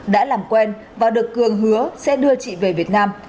đã làm quen và được cường hứa sẽ đưa chị về việt nam